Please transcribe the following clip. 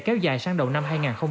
kéo dài sang đầu năm hai nghìn hai mươi